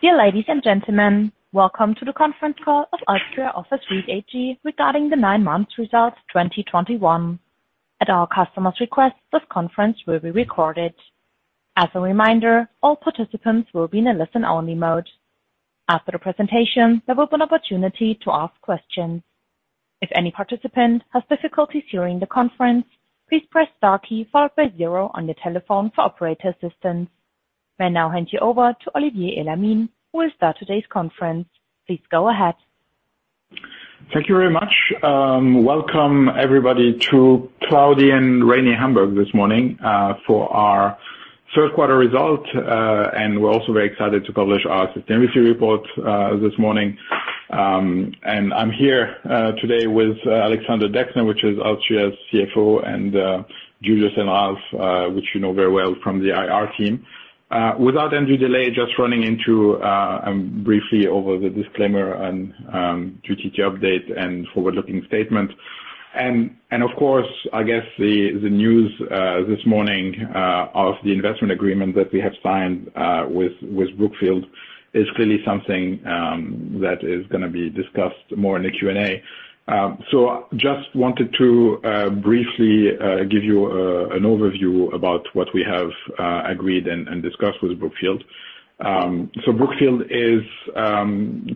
Dear ladies and gentlemen, welcome to the conference call of alstria office REIT-AG regarding the nine months results 2021. At our customer's request, this conference will be recorded. As a reminder, all participants will be in a listen-only mode. After the presentation, there will be an opportunity to ask questions. If any participant has difficulties hearing the conference, please press star key followed by zero on your telephone for operator assistance. May I now hand you over to Olivier Elamine, who will start today's conference. Please go ahead. Thank you very much. Welcome everybody to cloudy and rainy Hamburg this morning for our third quarter result. We're also very excited to publish our Sustainability Report this morning. I'm here today with Alexander Dexne, alstria's CFO, and Julius and Ralf, which you know very well from the IR team. Without any delay, briefly over the disclaimer and Q3 update and forward-looking statements. Of course, I guess the news this morning of the investment agreement that we have signed with Brookfield is clearly something that is gonna be discussed more in the Q&A. Just wanted to briefly give you an overview about what we have agreed and discussed with Brookfield. Brookfield is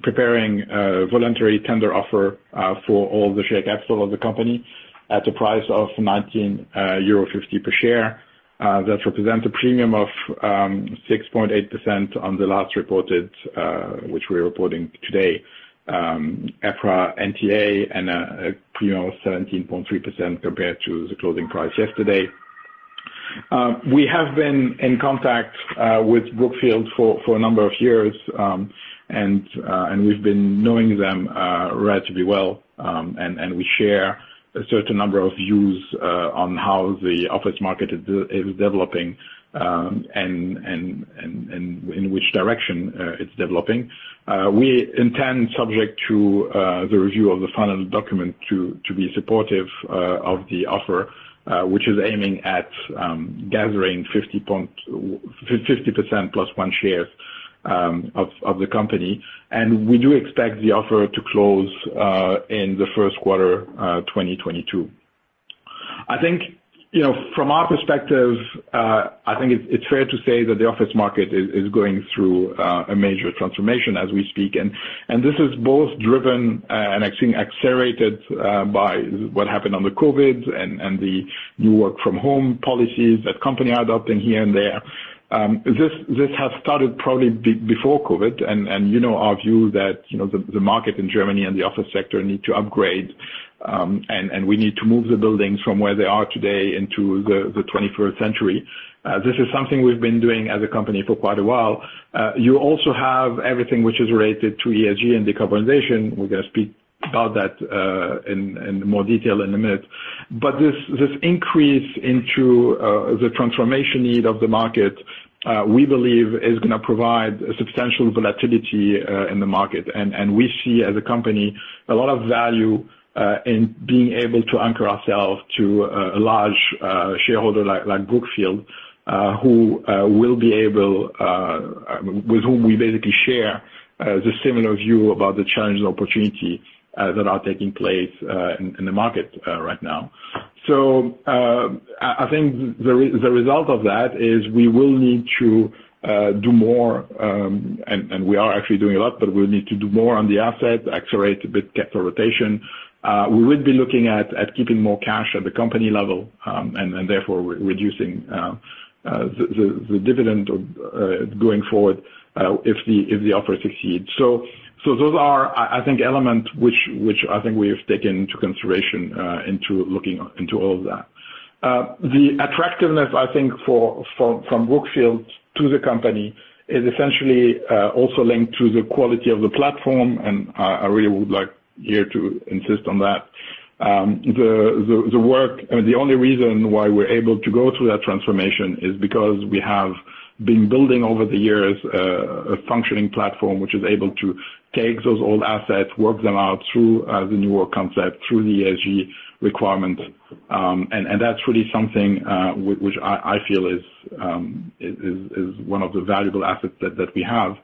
preparing a voluntary tender offer for all the share capital of the company at a price of 19.50 euro per share. That represents a premium of 6.8% on the last reported, which we're reporting today, EPRA NTA and a you know of 17.3% compared to the closing price yesterday. We have been in contact with Brookfield for a number of years, and we've been knowing them relatively well, and we share a certain number of views on how the office market is developing, and in which direction it's developing. We intend, subject to the review of the final document, to be supportive of the offer, which is aiming at gathering 50% plus one shares of the company. We do expect the offer to close in the first quarter 2022. I think, you know, from our perspective, I think it's fair to say that the office market is going through a major transformation as we speak. This is both driven and actually accelerated by what happened with COVID and the new work from home policies that companies are adopting here and there. This has started probably before COVID and you know our view that you know the market in Germany and the office sector need to upgrade and we need to move the buildings from where they are today into the 21st century. This is something we've been doing as a company for quite a while. You also have everything which is related to ESG and decarbonization. We're gonna speak about that in more detail in a minute. This increase into the transformation need of the market we believe is gonna provide a substantial volatility in the market. We see as a company a lot of value in being able to anchor ourselves to a large shareholder like Brookfield who will be able, with whom we basically share the similar view about the challenges and opportunity that are taking place in the market right now. I think the result of that is we will need to do more, and we are actually doing a lot, but we'll need to do more on the asset, accelerate a bit capital rotation. We will be looking at keeping more cash at the company level, and then therefore reducing the dividend going forward, if the offer succeeds. Those are, I think, elements which I think we have taken into consideration into looking into all of that. The attractiveness, I think, from Brookfield to the company is essentially also linked to the quality of the platform, and I really would like here to insist on that. I mean, the only reason why we're able to go through that transformation is because we have been building over the years a functioning platform, which is able to take those old assets, work them out through the new work concept, through the ESG requirement. That's really something which I feel is one of the valuable assets that we have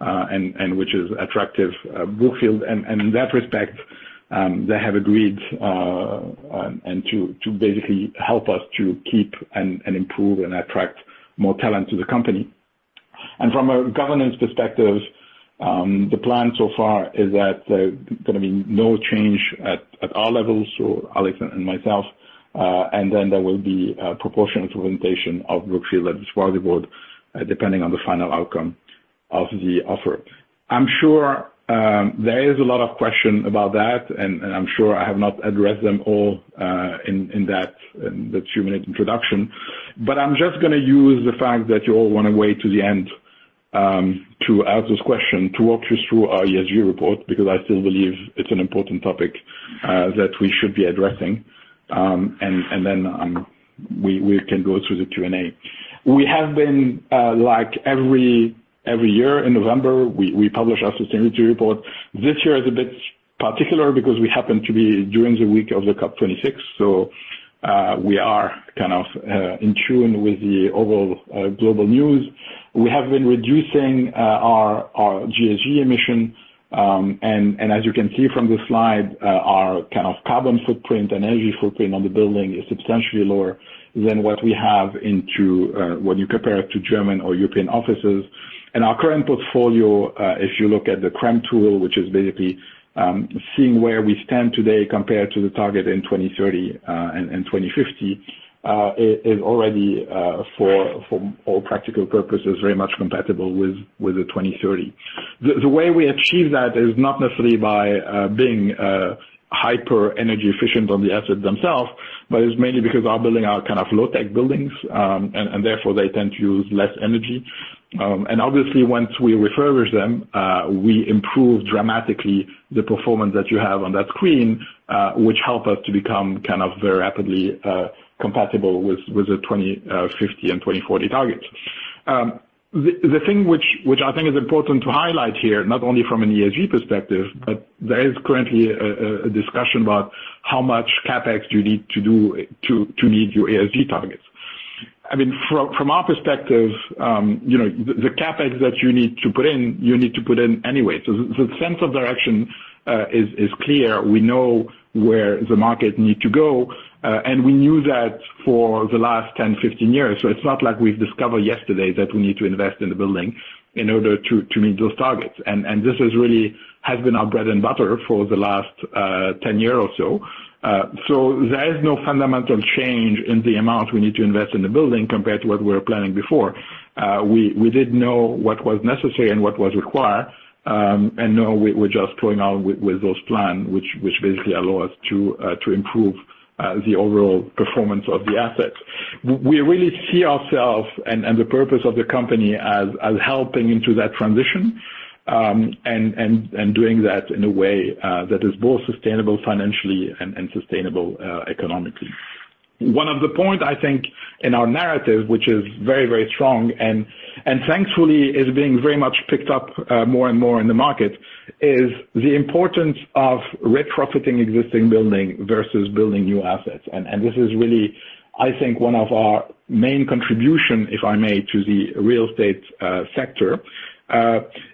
and which has attracted Brookfield. In that respect, they have agreed to basically help us to keep and improve and attract more talent to the company. From a governance perspective, the plan so far is that there's gonna be no change at our levels, so Alex and myself, and then there will be a proportional implementation of Brookfield supervisory board, depending on the final outcome of the offer. I'm sure there is a lot of question about that, and I'm sure I have not addressed them all in that two-minute introduction. But I'm just gonna use the fact that you all wanna wait to the end to ask those question to walk you through our ESG report, because I still believe it's an important topic that we should be addressing. Then we can go through the Q&A. We have been, like every year in November, we publish our Sustainability Report. This year is a bit particular because we happen to be during the week of the COP26. We are kind of in tune with the overall global news. We have been reducing our ESG emission. As you can see from the slide, our kind of carbon footprint and energy footprint on the building is substantially lower than what we have when you compare it to German or European offices. Our current portfolio, if you look at the CRREM tool, which is basically seeing where we stand today compared to the target in 2030 and in 2050, is already for all practical purposes very much compatible with the 2030. The way we achieve that is not necessarily by being hyper energy efficient on the assets themselves, but it's mainly because our building are kind of low tech buildings, and therefore they tend to use less energy. Obviously once we refurbish them, we improve dramatically the performance that you have on that screen, which help us to become kind of very rapidly compatible with the 2050 and 2040 targets. The thing which I think is important to highlight here, not only from an ESG perspective, but there is currently a discussion about how much CapEx you need to do to meet your ESG targets. I mean, from our perspective, you know, the CapEx that you need to put in, you need to put in anyway. The sense of direction is clear. We know where the market needs to go, and we knew that for the last 10-15 years. It's not like we've discovered yesterday that we need to invest in the building in order to meet those targets. This really has been our bread and butter for the last 10 years or so. There is no fundamental change in the amount we need to invest in the building compared to what we were planning before. We did know what was necessary and what was required, and now we're just going on with those plans, which basically allow us to improve the overall performance of the assets. We really see ourself and the purpose of the company as helping into that transition, and doing that in a way that is both sustainable financially and sustainable economically. One of the point I think in our narrative, which is very strong and thankfully is being very much picked up more and more in the market, is the importance of retrofitting existing building versus building new assets. This is really, I think, one of our main contribution, if I may, to the real estate sector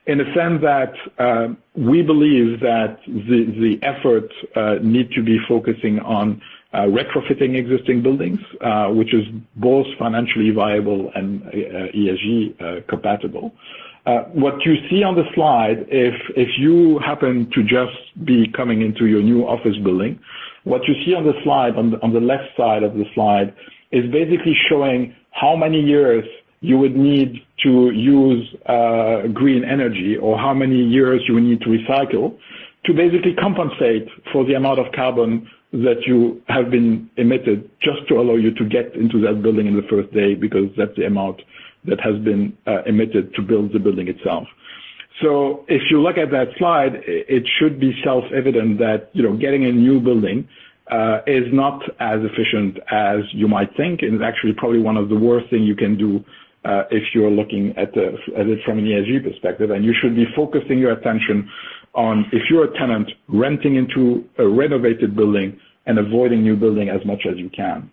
in the sense that we believe that the efforts need to be focusing on retrofitting existing buildings, which is both financially viable and ESG compatible. What you see on the slide, if you happen to just be coming into your new office building, on the left side of the slide, is basically showing how many years you would need to use green energy or how many years you need to recycle to basically compensate for the amount of carbon that you have been emitted just to allow you to get into that building in the first day, because that's the amount that has been emitted to build the building itself. If you look at that slide, it should be self-evident that, you know, getting a new building is not as efficient as you might think, and actually probably one of the worst thing you can do, if you're looking at it from an ESG perspective. You should be focusing your attention on if you're a tenant renting into a renovated building and avoiding new building as much as you can.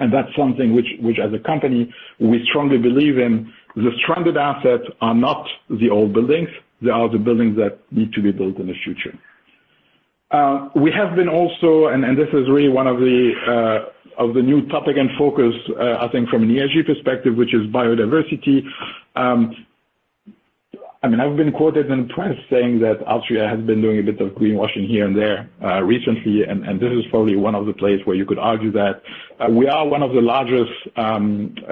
That's something which as a company, we strongly believe in. The stranded assets are not the old buildings, they are the buildings that need to be built in the future. We have been also, and this is really one of the new topic and focus, I think from an ESG perspective, which is biodiversity. I mean, I've been quoted in the press saying that alstria has been doing a bit of greenwashing here and there, recently, and this is probably one of the place where you could argue that we are one of the largest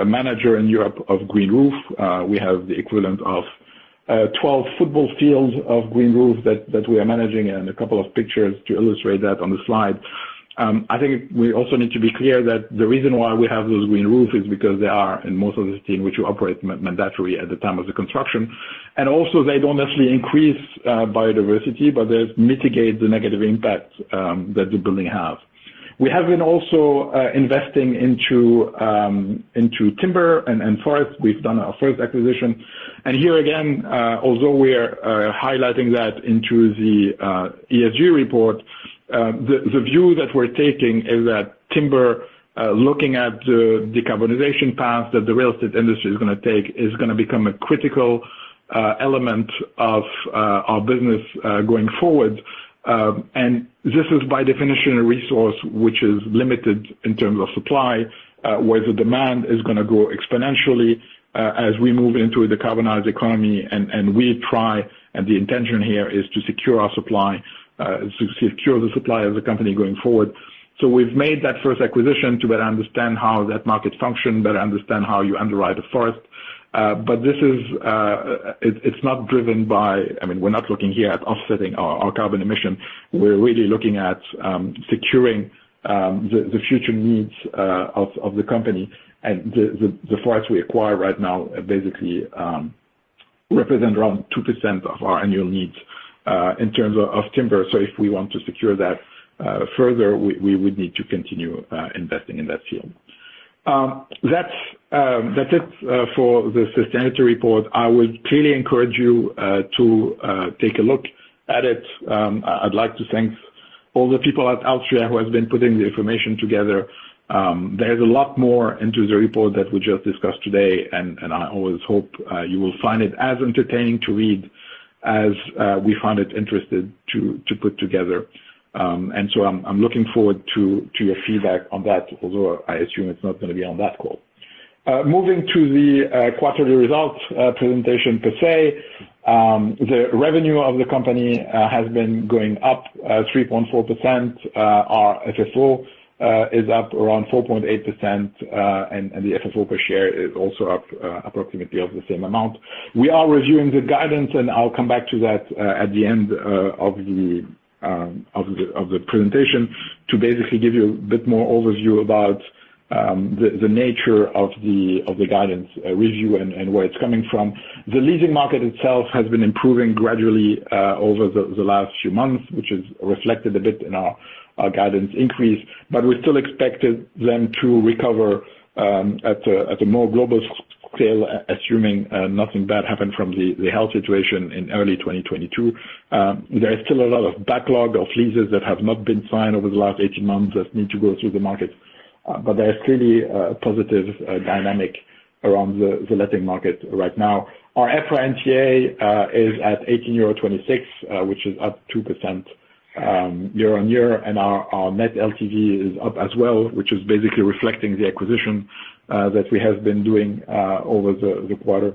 manager in Europe of green roof. We have the equivalent of 12 football fields of green roofs that we are managing, and a couple of pictures to illustrate that on the slide. I think we also need to be clear that the reason why we have those green roofs is because they are mandatory in most of the cities in which we operate at the time of the construction. Also they don't necessarily increase biodiversity, but they mitigate the negative impact that the buildings have. We have also been investing into timber and forest. We've done our first acquisition. Here again, although we are highlighting that in the ESG report, the view that we're taking is that timber, looking at the decarbonization path that the real estate industry is gonna take, is gonna become a critical element of our business going forward. This is by definition a resource which is limited in terms of supply, where the demand is gonna grow exponentially, as we move into a decarbonized economy, and the intention here is to secure our supply, secure the supply of the company going forward. We've made that first acquisition to better understand how that market functions, better understand how you underwrite a forest. It's not driven by offsetting our carbon emission. I mean, we're not looking here at offsetting our carbon emission. We're really looking at securing the future needs of the company. The forests we acquire right now basically represent around 2% of our annual needs in terms of timber. If we want to secure that further, we would need to continue investing in that field. That's it for the Sustainability Report. I would clearly encourage you to take a look at it. I'd like to thank all the people at alstria who have been putting the information together. There's a lot more in the report that we just discussed today, and I always hope you will find it as entertaining to read as we found it interesting to put together. I'm looking forward to your feedback on that, although I assume it's not gonna be on that call. Moving to the quarterly results presentation per se. The revenue of the company has been going up 3.4%. Our FFO is up around 4.8%, and the FFO per share is also up approximately the same amount. We are reviewing the guidance, and I'll come back to that at the end of the presentation to basically give you a bit more overview about the nature of the guidance review and where it's coming from. The leasing market itself has been improving gradually over the last few months, which is reflected a bit in our guidance increase. We still expected them to recover at a more global scale assuming nothing bad happened from the health situation in early 2022. There is still a lot of backlog of leases that have not been signed over the last 18 months that need to go through the market. There is clearly a positive dynamic around the letting market right now. Our EPRA NTA is at 18.26 euro, which is up 2% year-on-year, and our Net LTV is up as well, which is basically reflecting the acquisition that we have been doing over the quarter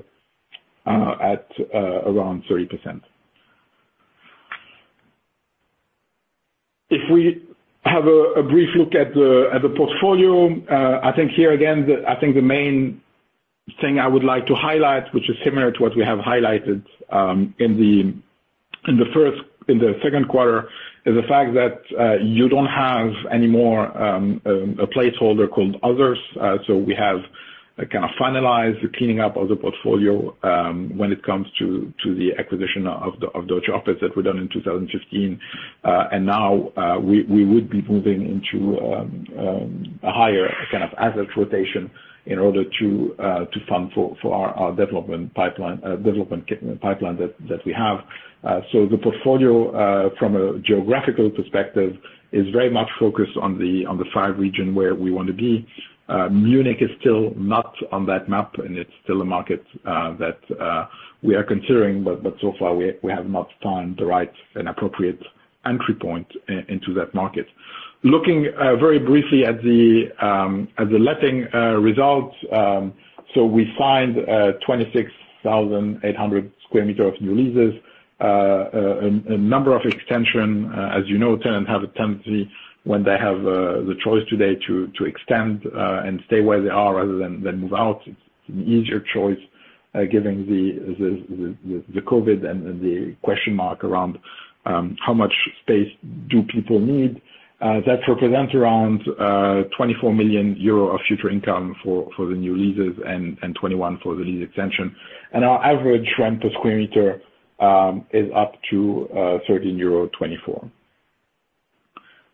at around 30%. If we have a brief look at the portfolio, I think here again the main thing I would like to highlight, which is similar to what we have highlighted in the second quarter, is the fact that you don't have any more a placeholder called others. So we have kind of finalized the cleaning up of the portfolio when it comes to the acquisition of Deutsche Office that we done in 2015. And now we would be moving into a higher kind of asset rotation in order to fund for our development pipeline that we have. The portfolio from a geographical perspective is very much focused on the five regions where we want to be. Munich is still not on that map, and it's still a market that we are considering, but so far we have not found the right and appropriate entry point into that market. Looking very briefly at the letting results, we signed 26,800 sq m of new leases. A number of extensions. As you know, tenants have a tendency when they have the choice today to extend and stay where they are rather than move out. It's an easier choice given the COVID and the question mark around how much space people need. That represents around 24 million euro of future income for the new leases and 21 million for the lease extension. Our average rent per sq m is up to 13.24 euro.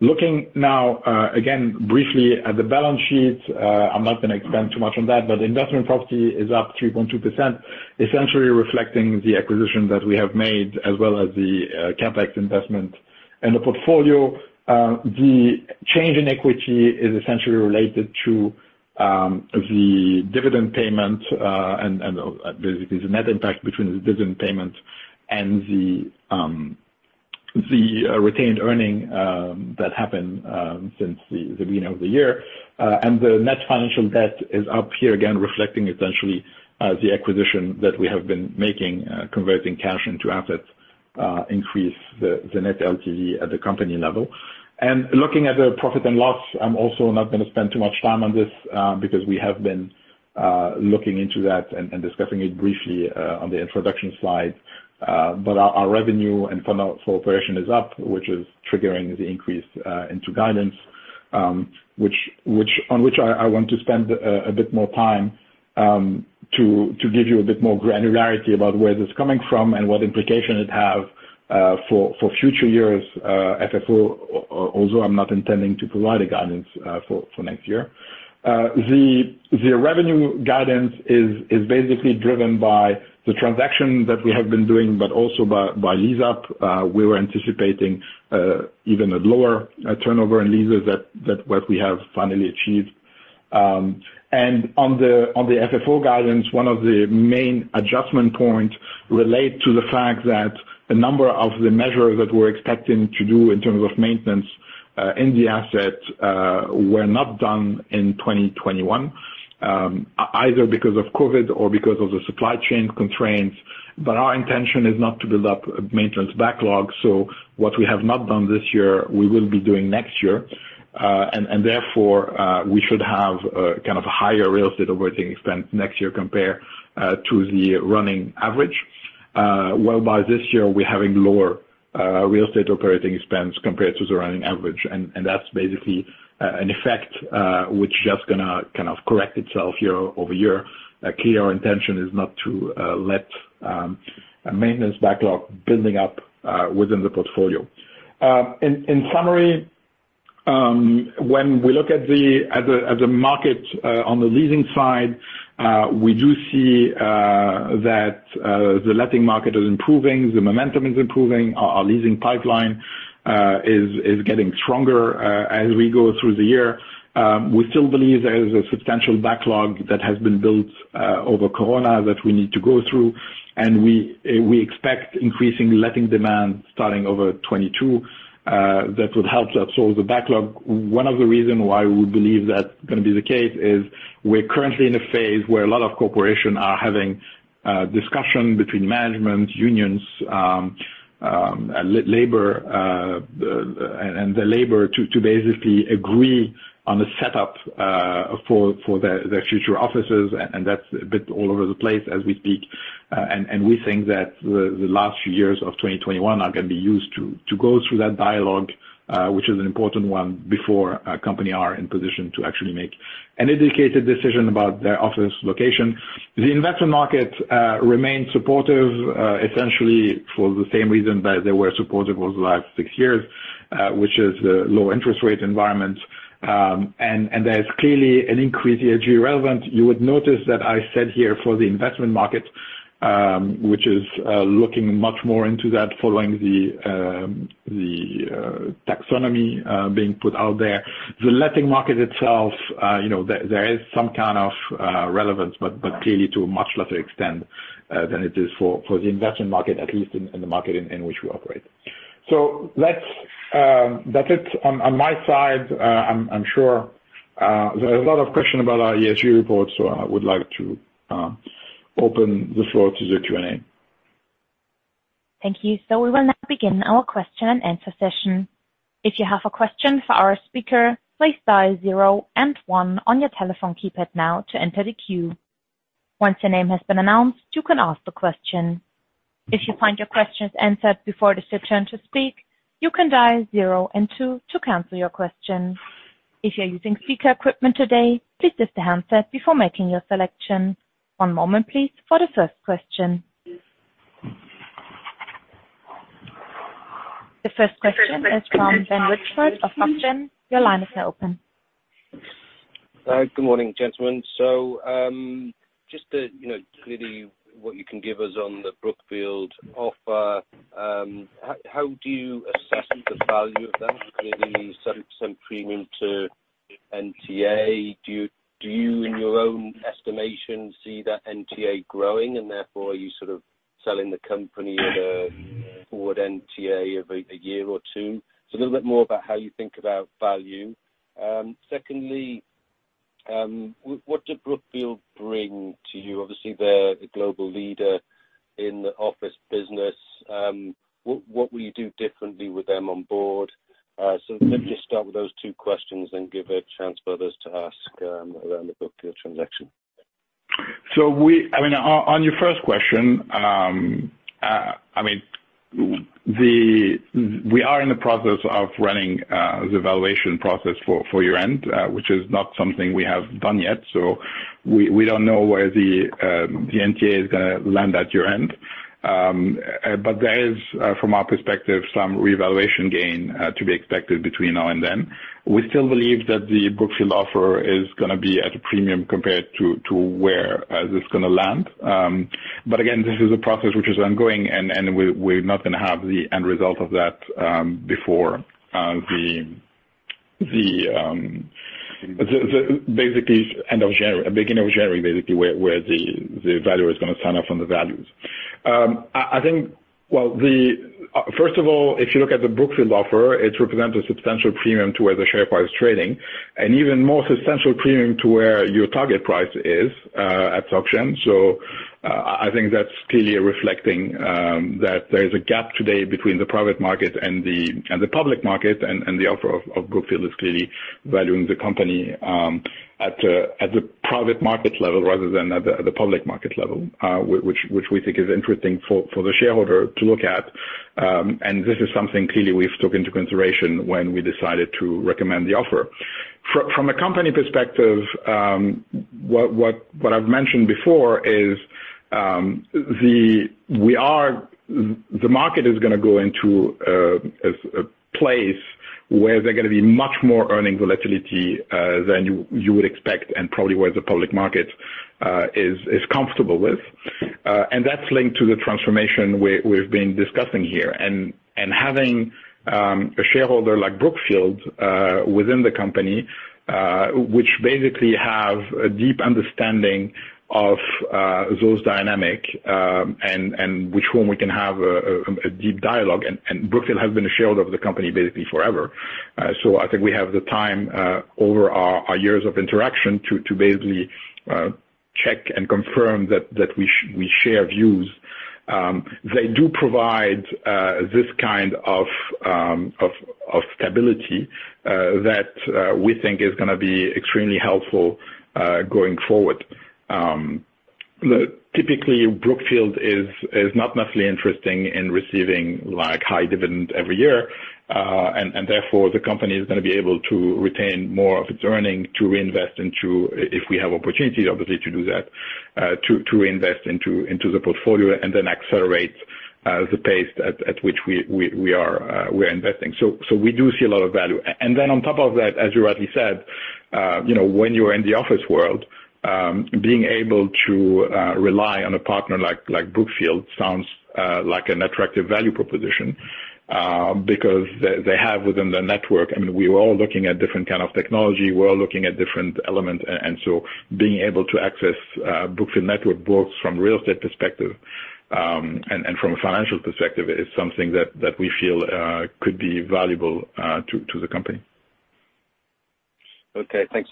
Looking now, again, briefly at the balance sheet. I'm not gonna expand too much on that, but investment property is up 3.2%, essentially reflecting the acquisition that we have made as well as the CapEx investment. In the portfolio, the change in equity is essentially related to the dividend payment, and there is a net impact between the dividend payment and the retained earnings that happened since the beginning of the year. The net financial debt is up here again reflecting essentially the acquisition that we have been making, converting cash into assets, increasing the Net LTV at the company level. Looking at the profit and loss, I'm also not gonna spend too much time on this because we have been looking into that and discussing it briefly on the introduction slide. Our revenue and funds from operations is up, which is triggering the increase into guidance, which on which I want to spend a bit more time to give you a bit more granularity about where this is coming from and what implication it have for future years, FFO, although I'm not intending to provide a guidance for next year. The revenue guidance is basically driven by the transaction that we have been doing, but also by lease up. We were anticipating even a lower turnover in leases than what we have finally achieved. On the FFO guidance, one of the main adjustment points relate to the fact that a number of the measures that we're expecting to do in terms of maintenance in the asset were not done in 2021, either because of COVID or because of the supply chain constraints. Our intention is not to build up a maintenance backlog, so what we have not done this year, we will be doing next year. Therefore, we should have kind of a higher real estate operating expense next year compared to the running average. Whereby this year we're having lower real estate operating expense compared to the running average. That's basically an effect which just gonna kind of correct itself year-over-year. Clear intention is not to let a maintenance backlog building up within the portfolio. In summary, when we look at the market on the leasing side, we do see that the letting market is improving, the momentum is improving. Our leasing pipeline is getting stronger as we go through the year. We still believe there is a substantial backlog that has been built over Corona that we need to go through, and we expect increasing letting demand starting over 2022 that would help us solve the backlog. One of the reasons why we believe that's gonna be the case is we're currently in a phase where a lot of corporations are having discussions between management, unions, and labor to basically agree on the setup for the future offices, and that's a bit all over the place as we speak. We think that the last few years of 2021 are gonna be used to go through that dialogue, which is an important one before companies are in position to actually make an informed decision about their office location. The investor market remains supportive essentially for the same reason that they were supportive over the last six years, which is the low interest rate environment. There's clearly an increasing ESG relevance. You would notice that I said here for the investment market, which is looking much more into that following the taxonomy being put out there. The letting market itself, you know, there is some kind of relevance but clearly to a much lesser extent than it is for the investment market at least in the market in which we operate. That's it on my side. I'm sure there are a lot of questions about our ESG report, so I would like to open the floor to the Q&A. Thank you. We will now begin our question and answer session. If you have a question for our speaker, please dial zero and one on your telephone keypad now to enter the queue. Once your name has been announced, you can ask the question. If you find your questions answered before it is your turn to speak, you can dial zero and two to cancel your question. If you're using speaker equipment today, please lift the handset before making your selection. One moment please for the first question. The first question is from Ben Richford of Bernstein. Your line is now open. Good morning, gentlemen. Just to, you know, clarify what you can give us on the Brookfield offer, how do you assess the value of that? Clearly some premium to NTA? Do you in your own estimation see that NTA growing, and therefore are you sort of selling the company at a forward NTA of a year or two? A little bit more about how you think about value. Secondly, what did Brookfield bring to you? Obviously they're a global leader in the office business. What will you do differently with them on board? Maybe just start with those two questions, and give a chance for others to ask around the Brookfield transaction. On your first question, we are in the process of running the valuation process for your end, which is not something we have done yet, so we don't know where the NTA is gonna land at your end. There is from our perspective some revaluation gain to be expected between now and then. We still believe that the Brookfield offer is gonna be at a premium compared to where this is gonna land. Again, this is a process which is ongoing, and we're not gonna have the end result of that before basically the end of January, beginning of January basically where the valuer is gonna sign off on the values. First of all, if you look at the Brookfield offer, it represents a substantial premium to where the share price is trading, and even more substantial premium to where your target price is at auction. I think that's clearly reflecting that there's a gap today between the private market and the public market, and the offer of Brookfield is clearly valuing the company at the private market level rather than at the public market level, which we think is interesting for the shareholder to look at. This is something clearly we've took into consideration when we decided to recommend the offer. From a company perspective, what I've mentioned before is, We are, the market is gonna go into a place where there are gonna be much more earnings volatility than you would expect and probably where the public market is comfortable with. That's linked to the transformation we've been discussing here. Having a shareholder like Brookfield within the company, which basically has a deep understanding of those dynamics and with which we can have a deep dialogue. Brookfield has been a shareholder of the company basically forever. I think we have the time over our years of interaction to basically check and confirm that we share views. They do provide this kind of stability that we think is gonna be extremely helpful going forward. Typically, Brookfield is not mostly interested in receiving like high dividend every year, and therefore the company is gonna be able to retain more of its earnings to reinvest into if we have opportunities, obviously, to do that, to invest into the portfolio and then accelerate the pace at which we are investing. We do see a lot of value. On top of that, as you rightly said, you know, when you're in the office world, being able to rely on a partner like Brookfield sounds like an attractive value proposition. Because they have within their network. I mean, we are all looking at different kind of technology. We're all looking at different elements. Being able to access Brookfield network both from real estate perspective and from a financial perspective is something that we feel could be valuable to the company. Okay. Thanks.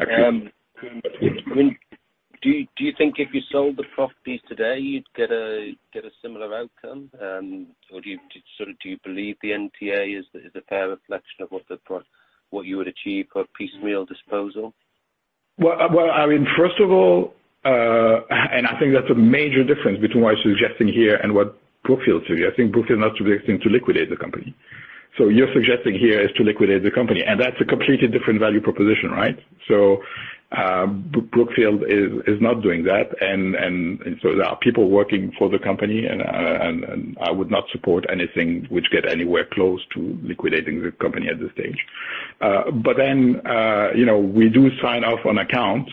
Do you think if you sold the properties today, you'd get a similar outcome? Or do you sort of believe the NTA is a fair reflection of what you would achieve for a piecemeal disposal? Well, I mean, first of all, I think that's a major difference between what I'm suggesting here and what Brookfield is suggesting. I think Brookfield is not suggesting to liquidate the company. You're suggesting here is to liquidate the company, and that's a completely different value proposition, right? Brookfield is not doing that. There are people working for the company and I would not support anything which get anywhere close to liquidating the company at this stage. You know, we do sign off on accounts,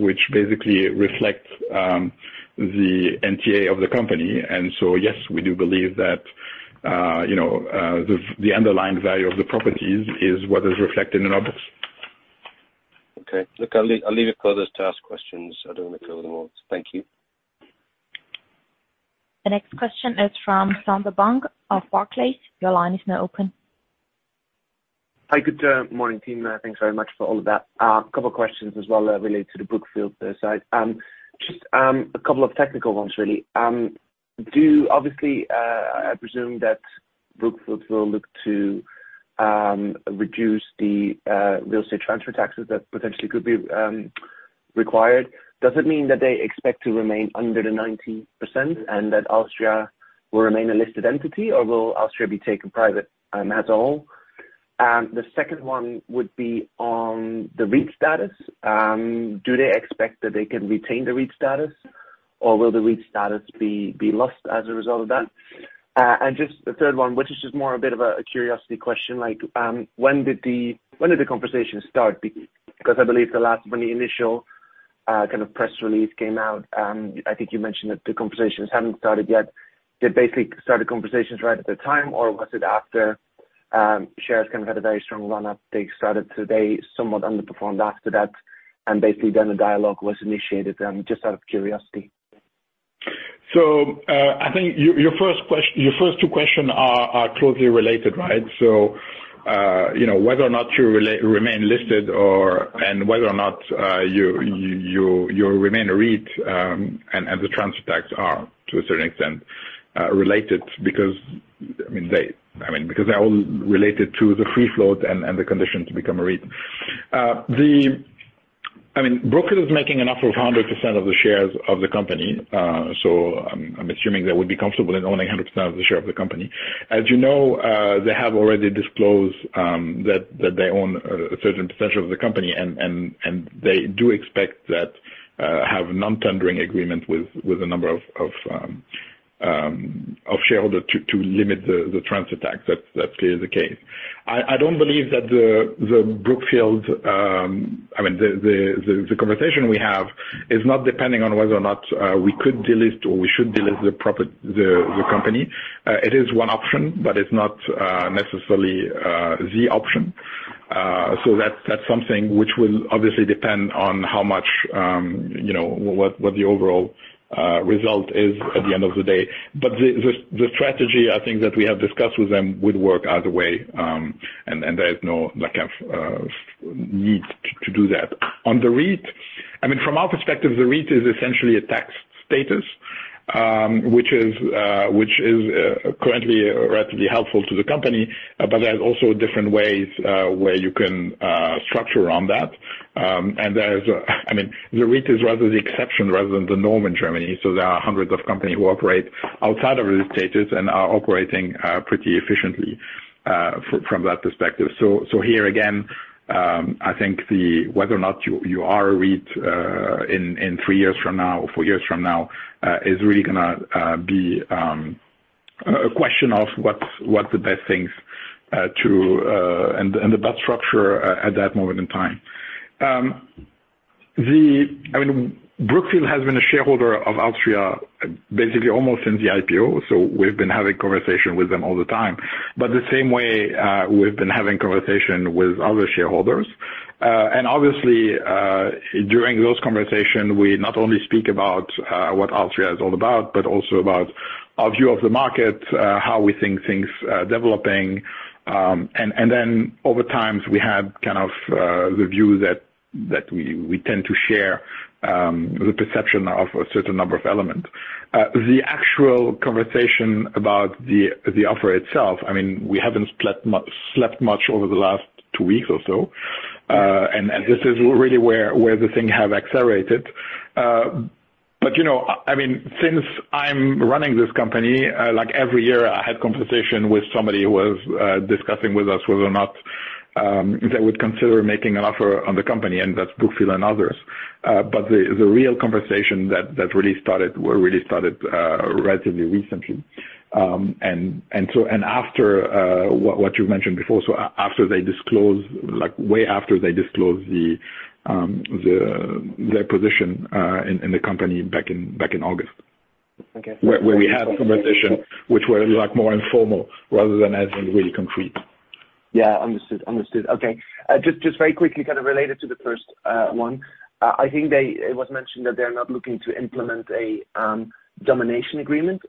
which basically reflect the NTA of the company. Yes, we do believe that, you know, the underlying value of the properties is what is reflected in our books. Okay. Look, I'll leave it for others to ask questions. I don't want to go over more. Thank you. The next question is from Sander Bunck of Barclays. Your line is now open. Hi. Good morning, team. Thanks very much for all of that. A couple of questions as well related to the Brookfield side. Just a couple of technical ones really. Obviously, I presume that Brookfield will look to reduce the real estate transfer taxes that potentially could be required. Does it mean that they expect to remain under the 90% and that alstria will remain a listed entity, or will alstria be taken private as a whole? The second one would be on the REIT status. Do they expect that they can retain the REIT status, or will the REIT status be lost as a result of that? And just the third one, which is just more a bit of a curiosity question, like when did the conversation start? Because I believe when the initial kind of press release came out, I think you mentioned that the conversations hadn't started yet. They basically started conversations right at the time, or was it after, shares kind of had a very strong run up. They started today, somewhat underperformed after that, and basically then the dialogue was initiated then, just out of curiosity. I think your first two questions are closely related, right? You know, whether or not you remain listed or and whether or not you remain a REIT, and the transfer tax are to a certain extent related because, I mean, because they're all related to the free float and the conditions become a REIT. I mean, Brookfield is making an offer of 100% of the shares of the company. I'm assuming they would be comfortable in owning 100% of the shares of the company. As you know, they have already disclosed that they own a certain percentage of the company and they do expect to have non-tendering agreement with a number of shareholders to limit the transfer tax. That's clearly the case. I don't believe that the Brookfield. I mean, the conversation we have is not depending on whether or not we could delist or we should delist the company. It is one option, but it's not necessarily the option. So that's something which will obviously depend on how much you know what the overall result is at the end of the day. The strategy I think that we have discussed with them would work either way, and there's no lack of need to do that. On the REIT, I mean, from our perspective, the REIT is essentially a tax status, which is currently relatively helpful to the company. But there's also different ways where you can structure around that. And, I mean, the REIT is the exception rather than the norm in Germany, so there are hundreds of companies who operate outside of the status and are operating pretty efficiently from that perspective. Here again, I think whether or not you are a REIT in three years from now or four years from now is really gonna be a question of what's the best things to and the best structure at that moment in time. I mean, Brookfield has been a shareholder of alstria basically almost since the IPO, so we've been having conversation with them all the time. The same way, we've been having conversation with other shareholders. Obviously, during those conversation, we not only speak about what alstria is all about, but also about our view of the market, how we think things developing. Over time, we have kind of the view that we tend to share the perception of a certain number of elements. The actual conversation about the offer itself, I mean, we haven't slept much over the last two weeks or so, and this is really where the things have accelerated. You know, I mean, since I'm running this company, like every year I had conversation with somebody who was discussing with us whether or not they would consider making an offer on the company, and that's Brookfield and others. The real conversation that really started relatively recently. After what you mentioned before, so after they disclose, like way after they disclose their position in the company back in August. Okay. Where we had conversations which were like more informal rather than as in really concrete. Yeah. Understood. Okay. Just very quickly kind of related to the first one. It was mentioned that they're not looking to implement a domination agreement.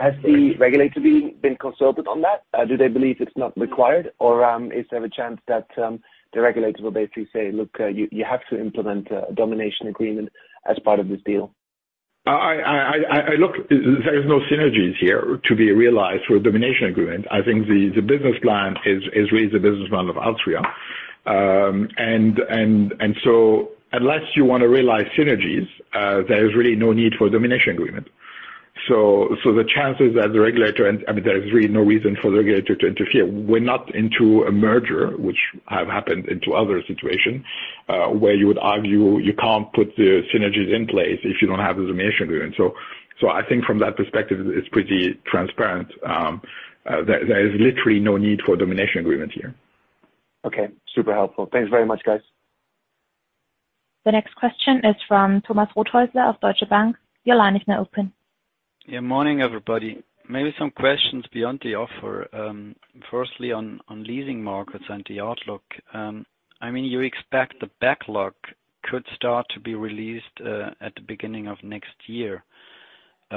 Has the regulator been consulted on that? Do they believe it's not required? Or, is there a chance that the regulators will basically say, "Look, you have to implement a domination agreement as part of this deal? I look, there is no synergies here to be realized through a domination agreement. I think the business plan is really the business plan of alstria. And so unless you wanna realize synergies, there is really no need for domination agreement. So the chances that the regulator and I mean, there is really no reason for the regulator to interfere. We're not into a merger, which have happened into other situation, where you would argue you can't put the synergies in place if you don't have the domination agreement. So I think from that perspective, it's pretty transparent. There is literally no need for domination agreement here. Okay. Super helpful. Thanks very much, guys. The next question is from Thomas Rothaeusler of Deutsche Bank. Your line is now open. Yeah. Morning, everybody. Maybe some questions beyond the offer. First, on leasing markets and the outlook. I mean, you expect the backlog could start to be released at the beginning of next year.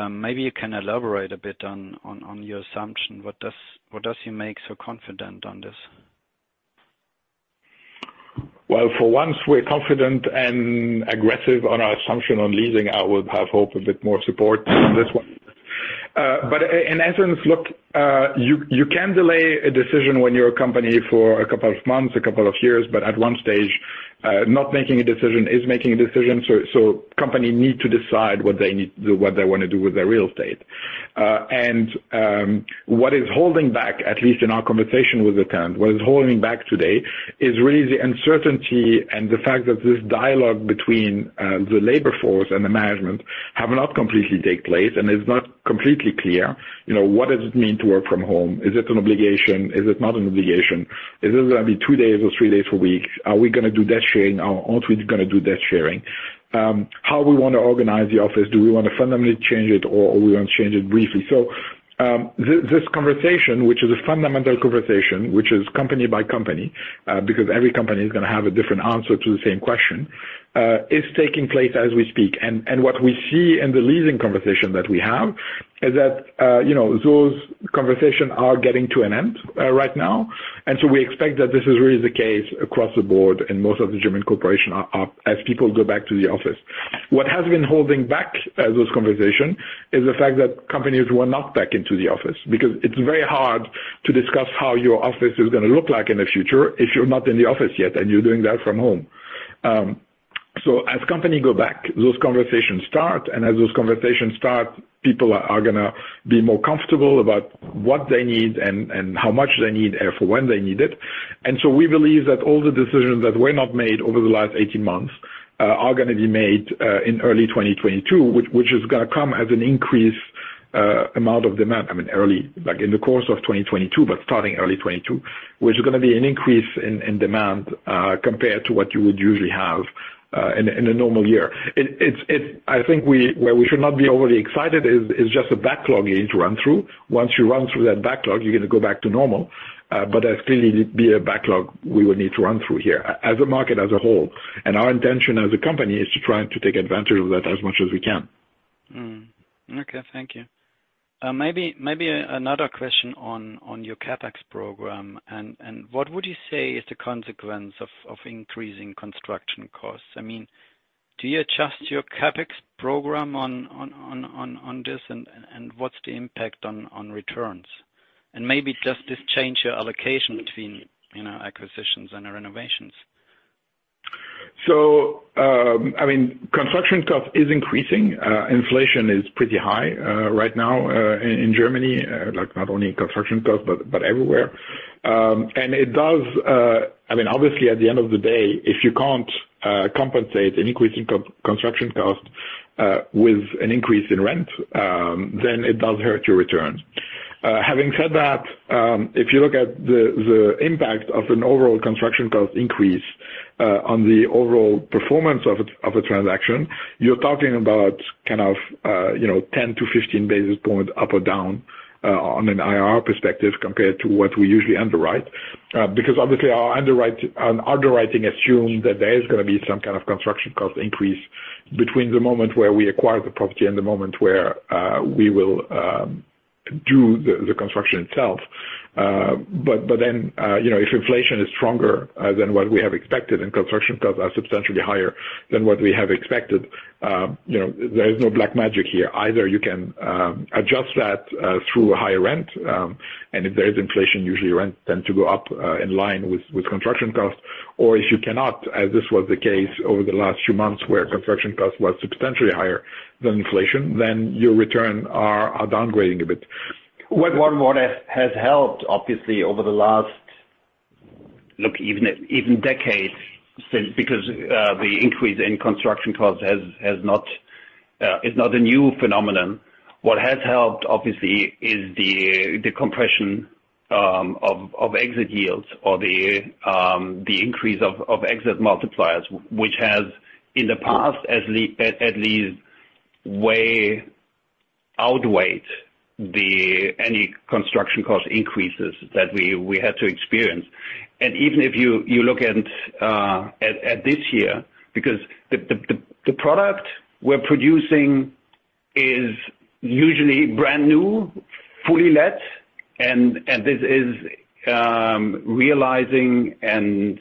Maybe you can elaborate a bit on your assumption. What does he make so confident on this? Well, for once we're confident and aggressive on our assumption on leasing, I will have hope a bit more support on this one. But in essence, look, you can delay a decision when you're a company for a couple of months, a couple of years, but at one stage, not making a decision is making a decision. Company need to decide what they need to do, what they wanna do with their real estate. And what is holding back, at least in our conversation with the tenant, what is holding back today is really the uncertainty and the fact that this dialogue between the labor force and the management have not completely take place, and it's not completely clear, you know, what does it mean to work from home? Is it an obligation? Is it not an obligation? Is this gonna be two days or three days a week? Are we gonna do desk sharing or aren't we gonna do desk sharing? How we wanna organize the office, do we wanna fundamentally change it or we wanna change it briefly? This conversation, which is a fundamental conversation, which is company by company, because every company is gonna have a different answer to the same question, is taking place as we speak. What we see in the leasing conversation that we have is that, you know, those conversation are getting to an end, right now. We expect that this is really the case across the board, and most of the German corporation are as people go back to the office. What has been holding back those conversations is the fact that companies were not back into the office. Because it's very hard to discuss how your office is gonna look like in the future if you're not in the office yet, and you're doing that from home. As companies go back, those conversations start, and as those conversations start, people are gonna be more comfortable about what they need and how much they need and for when they need it. We believe that all the decisions that were not made over the last 18 months are gonna be made in early 2022, which is gonna come as an increase amount of demand. I mean, early, like in the course of 2022, but starting early 2022, which is gonna be an increase in demand, compared to what you would usually have in a normal year. I think where we should not be overly excited is just a backlog you need to run through. Once you run through that backlog, you're gonna go back to normal. There'll still need to be a backlog we will need to run through here as a market as a whole. Our intention as a company is to try to take advantage of that as much as we can. Okay. Thank you. Maybe another question on your CapEx program. What would you say is the consequence of increasing construction costs? I mean, do you adjust your CapEx program on this, and what's the impact on returns? Maybe does this change your allocation between, you know, acquisitions and renovations? I mean, construction cost is increasing. Inflation is pretty high right now in Germany, like not only construction cost but everywhere. I mean obviously at the end of the day, if you can't compensate an increasing construction cost with an increase in rent, then it does hurt your return. Having said that, if you look at the impact of an overall construction cost increase on the overall performance of a transaction, you're talking about kind of you know, 10-15 basis points up or down on an IRR perspective compared to what we usually underwrite. Because obviously our underwriting assume that there is gonna be some kind of construction cost increase between the moment where we acquire the property and the moment where we will do the construction itself. But then you know if inflation is stronger than what we have expected and construction costs are substantially higher than what we have expected you know there is no black magic here. Either you can adjust that through higher rent and if there is inflation usually rent tend to go up in line with construction costs. If you cannot this was the case over the last few months where construction cost was substantially higher than inflation then your return are downgrading a bit. What has helped obviously over the last decades, since the increase in construction costs is not a new phenomenon. What has helped obviously is the compression of exit yields or the increase of exit multipliers, which has in the past at least outweighed any construction cost increases that we had to experience. Even if you look at this year because the product we're producing is usually brand new, fully let, and this is realizing and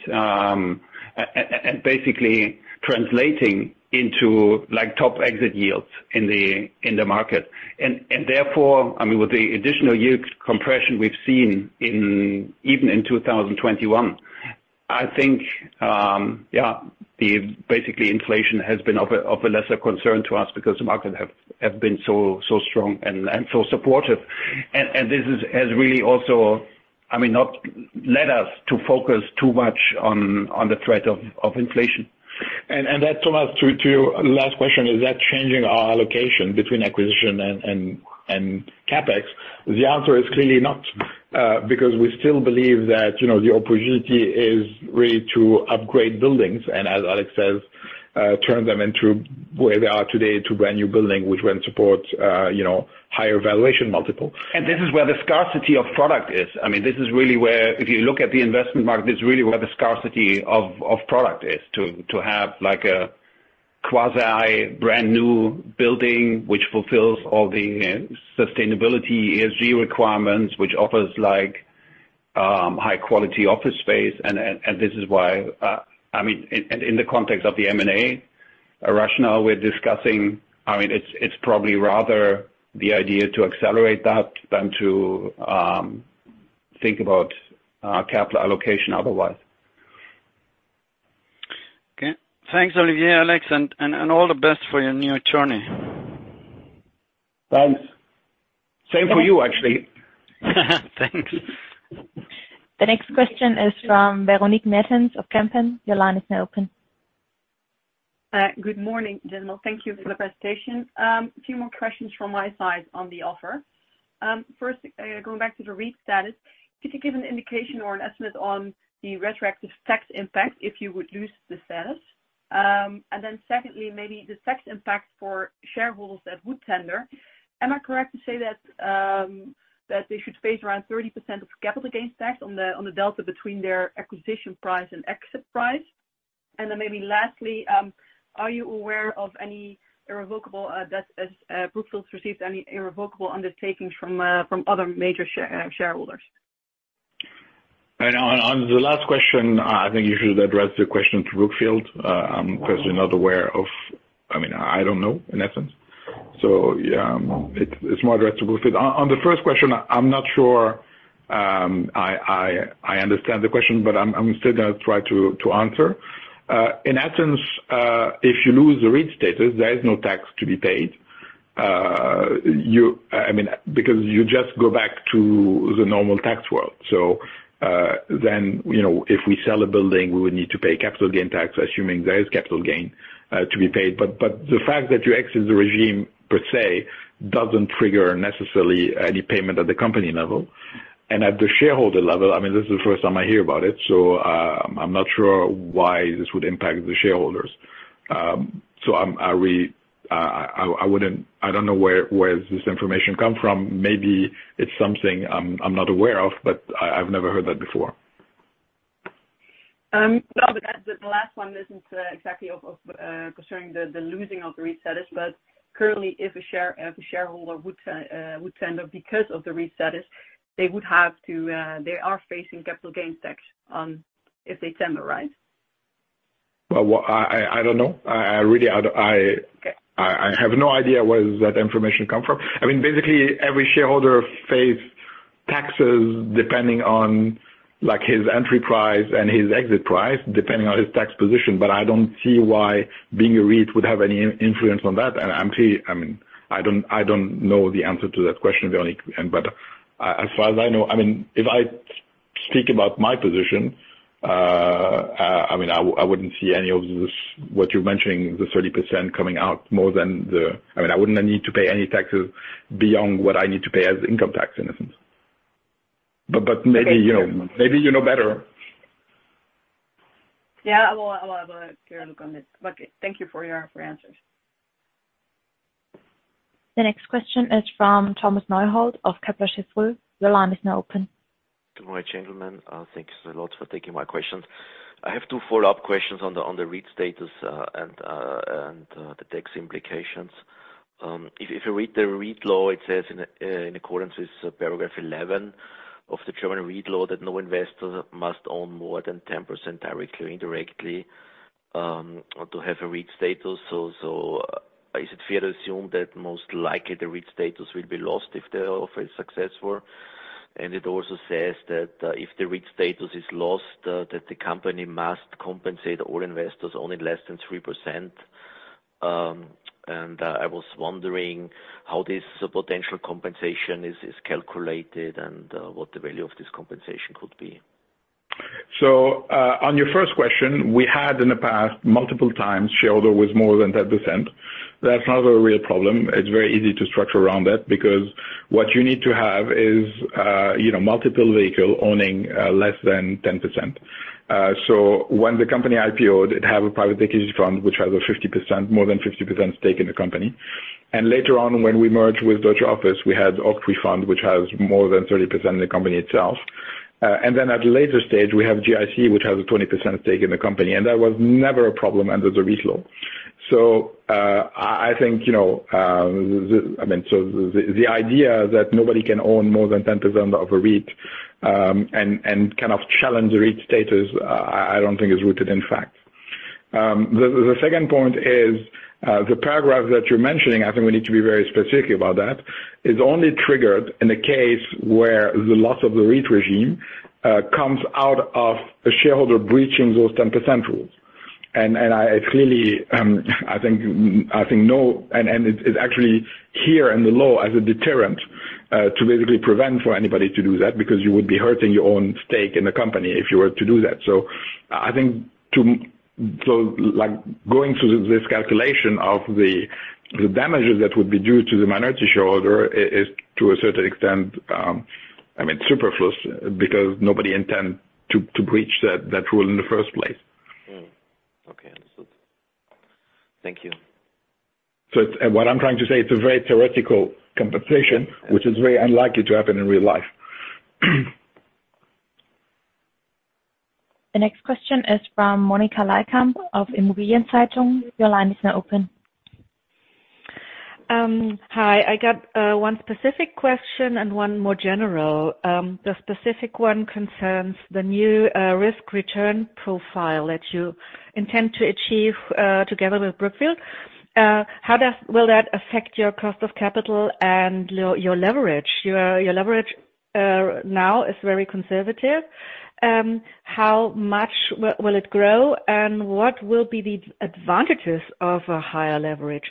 basically translating into like top exit yields in the market. Therefore, I mean, with the additional yield compression we've seen in even 2021, I think, yeah, basically inflation has been of a lesser concern to us because the markets have been so strong and so supportive. This has really also, I mean, not led us to focus too much on the threat of inflation. To that, Thomas, to your last question, is that changing our allocation between acquisition and CapEx? The answer is clearly not, because we still believe that, you know, the opportunity is really to upgrade buildings and as Alex says, turn them from where they are today into brand new building, which will support, you know, higher valuation multiple. This is where the scarcity of product is. I mean, this is really where if you look at the investment market, this is really where the scarcity of product is to have like a quasi brand new building which fulfills all the sustainability ESG requirements, which offers like, high quality office space. This is why, I mean, in the context of the M&A rationale we're discussing. I mean, it's probably rather the idea to accelerate that than to think about capital allocation otherwise. Okay. Thanks, Olivier, Alex, and all the best for your new journey. Thanks. Same for you actually. Thanks. The next question is from Véronique Meertens of Kempen. Your line is now open. Good morning, gentlemen. Thank you for the presentation. A few more questions from my side on the offer. First, going back to the REIT status. Could you give an indication or an estimate on the retroactive tax impact if you would lose the status? Secondly, maybe the tax impact for shareholders that would tender. Am I correct to say that they should face around 30% capital gains tax on the delta between their acquisition price and exit price? Maybe lastly, are you aware of any irrevocable undertakings that Brookfield received from other major shareholders? On the last question, I think you should address the question to Brookfield. I'm personally not aware of, I mean, I don't know in essence. Yeah, it's more addressed to Brookfield. On the first question, I'm not sure I understand the question, but I'm still gonna try to answer. In essence, if you lose the REIT status, there is no tax to be paid. I mean, because you just go back to the normal tax world. You know, if we sell a building, we would need to pay capital gain tax, assuming there is capital gain to be paid. But the fact that you exit the regime per se doesn't trigger necessarily any payment at the company level. At the shareholder level, I mean, this is the first time I hear about it, so I'm not sure why this would impact the shareholders. I don't know where this information comes from. Maybe it's something I'm not aware of, but I've never heard that before. No, but the last one isn't exactly concerning the losing of the REIT status. Currently, if a shareholder would tender because of the REIT status, they are facing capital gains tax if they tender, right? Well, I don't know. I have no idea where does that information come from. I mean, basically every shareholder face taxes depending on, like his entry price and his exit price, depending on his tax position. I don't see why being a REIT would have any influence on that. I'm pretty. I mean, I don't know the answer to that question, Véronique. As far as I know, I mean, if I speak about my position, I mean, I wouldn't see any of this, what you're mentioning, the 30% coming out more than the. I mean, I wouldn't need to pay any taxes beyond what I need to pay as income tax in a sense. Maybe you know. Okay. Maybe you know better. Yeah. I will go ahead take a look on it. Thank you for your answers. The next question is from Thomas Neuhold of Kepler Cheuvreux. Your line is now open. Good morning, gentlemen. Thanks a lot for taking my questions. I have two follow-up questions on the REIT status and the tax implications. If you read the REIT law, it says in accordance with paragraph 11 of the German REIT law that no investor must own more than 10% directly or indirectly to have a REIT status. Is it fair to assume that most likely the REIT status will be lost if the offer is successful? It also says that if the REIT status is lost, the company must compensate all investors owning less than 3%. I was wondering how this potential compensation is calculated and what the value of this compensation could be? On your first question, we had in the past multiple times shareholder with more than 10%. That's not a real problem. It's very easy to structure around that because what you need to have is, you know, multiple vehicle owning less than 10%. When the company IPO'd, it had a private equity fund which has a 50%—more than 50% stake in the company. Later on when we merged with Deutsche Office, we had Oaktree Fund, which has more than 30% in the company itself. Then at a later stage, we have GIC, which has a 20% stake in the company. That was never a problem under the REIT law. I think, you know, the, I mean, so the idea that nobody can own more than 10% of a REIT, and kind of challenge the REIT status, I don't think is rooted in fact. The second point is the paragraph that you're mentioning. I think we need to be very specific about that. It is only triggered in the case where the loss of the REIT regime comes out of a shareholder breaching those 10% rules. It's actually here in the law as a deterrent to basically prevent anybody from doing that because you would be hurting your own stake in the company if you were to do that. I think to, like, going through this calculation of the damages that would be due to the minority shareholder is to a certain extent, I mean, superfluous because nobody intend to breach that rule in the first place. Okay. Understood. Thank you. What I'm trying to say, it's a very theoretical compensation, which is very unlikely to happen in real life. The next question is from Monika Leykam of Immobilien Zeitung. Your line is now open. Hi. I got one specific question and one more general. The specific one concerns the new risk return profile that you intend to achieve together with Brookfield. How will that affect your cost of capital and your leverage? Your leverage now is very conservative. How much will it grow? And what will be the advantages of a higher leverage?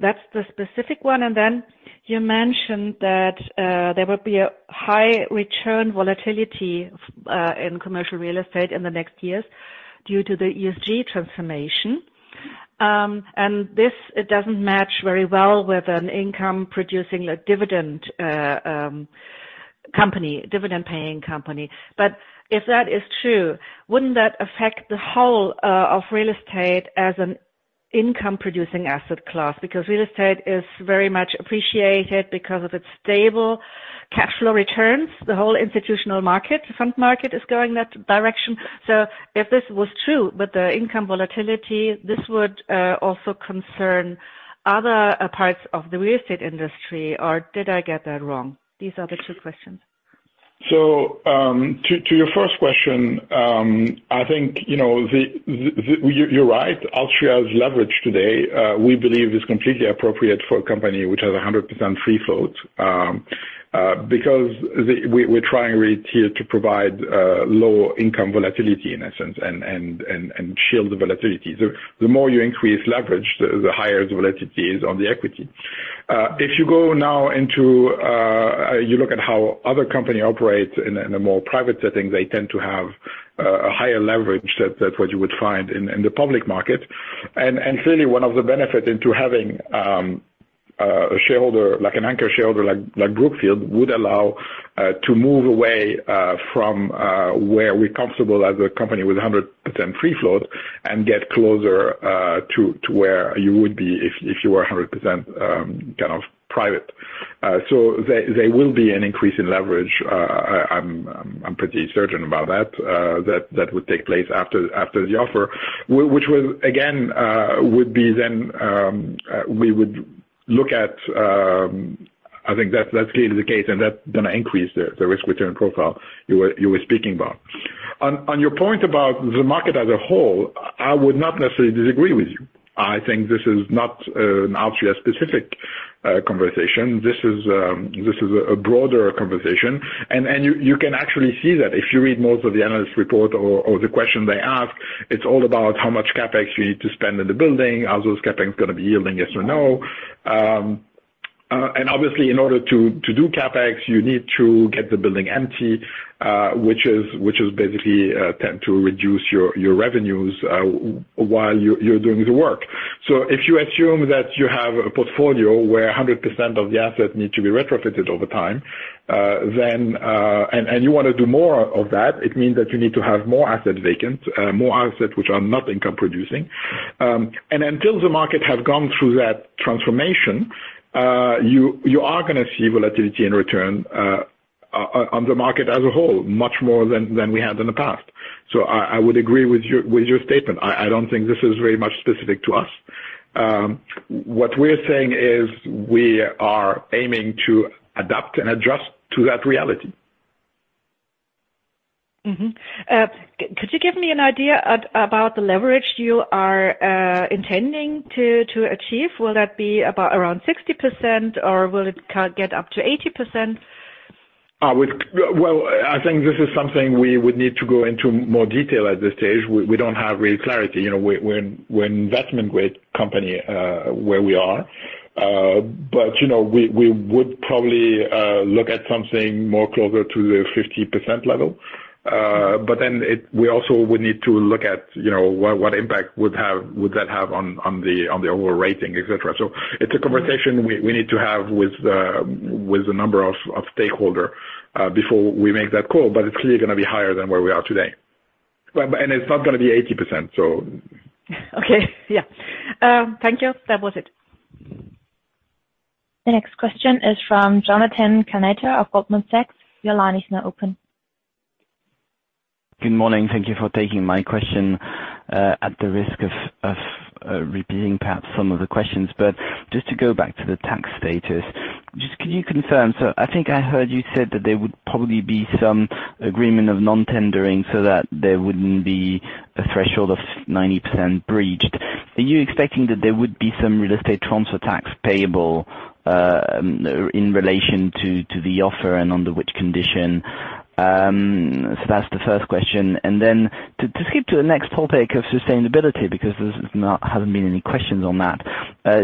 That's the specific one. And then you mentioned that there will be a high return volatility in commercial real estate in the next years due to the ESG transformation. And this doesn't match very well with an income producing a dividend company, dividend paying company. If that is true, wouldn't that affect the whole of real estate as an income producing asset class? Because real estate is very much appreciated because of its stable cash flow returns. The whole institutional market, fund market is going that direction. If this was true with the income volatility, this would also concern other parts of the real estate industry. Or did I get that wrong? These are the two questions. To your first question, I think, you know, you're right. alstria's leverage today, we believe, is completely appropriate for a company which has 100% free float. Because we're trying really here to provide low income volatility in a sense and shield the volatility. The more you increase leverage, the higher the volatility is on the equity. If you go now, you look at how other company operates in a more private setting, they tend to have a higher leverage. That's what you would find in the public market. Clearly one of the benefits of having a shareholder, like an anchor shareholder like Brookfield, would allow to move away from where we're comfortable as a company with 100% free float and get closer to where you would be if you were 100% kind of private. There will be an increase in leverage. I'm pretty certain about that would take place after the offer. Which will again would be then we would look at. I think that's clearly the case, and that's going to increase the risk-return profile you were speaking about. On your point about the market as a whole, I would not necessarily disagree with you. I think this is not an alstria specific conversation. This is a broader conversation. You can actually see that if you read most of the analyst report or the question they ask, it's all about how much CapEx you need to spend in the building. Are those CapEx going to be yielding, yes or no? Obviously in order to do CapEx, you need to get the building empty, which is basically tend to reduce your revenues while you're doing the work. If you assume that you have a portfolio where 100% of the assets need to be retrofitted over time, then you want to do more of that, it means that you need to have more assets vacant, more assets which are not income producing. Until the market has gone through that transformation, you are going to see volatility in return, on the market as a whole, much more than we had in the past. I would agree with your statement. I don't think this is very much specific to us. What we're saying is we are aiming to adapt and adjust to that reality. Could you give me an idea about the leverage you are intending to achieve? Will that be about around 60% or will it get up to 80%? Well, I think this is something we would need to go into more detail at this stage. We don't have real clarity. You know, we're an investment-grade company where we are. But you know, we would probably look at something more closer to the 50% level. But then it, we also would need to look at, you know, what impact would that have on the overall rating, et cetera. It's a conversation we need to have with the number of stakeholders before we make that call, but it's clearly gonna be higher than where we are today. Well, it's not gonna be 80% so. Okay. Yeah. Thank you. That was it. The next question is from Jonathan Kownator of Goldman Sachs. Your line is now open. Good morning. Thank you for taking my question. At the risk of repeating perhaps some of the questions, but just to go back to the tax status. Just could you confirm? So I think I heard you said that there would probably be some agreement of non-tendering so that there wouldn't be a threshold of 90% breached. Are you expecting that there would be some real estate transfer tax payable in relation to the offer and under which condition? So that's the first question. Then to skip to the next topic of sustainability, because there hasn't been any questions on that.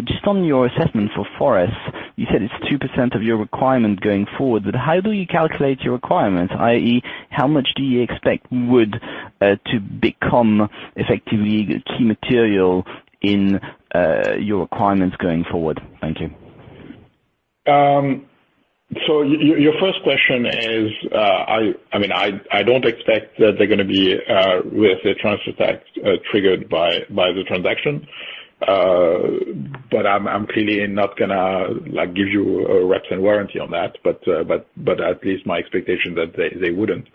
Just on your assessment for forest, you said it's 2% of your requirement going forward, but how do you calculate your requirements? I.e., how much do you expect wood to become effectively key material in your requirements going forward? Thank you. Your first question is, I mean, I don't expect that they're gonna be with the transfer tax triggered by the transaction. I'm clearly not gonna like give you a reps and warranty on that. At least my expectation that they wouldn't,